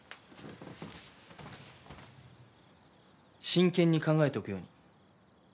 真剣に考えておくように。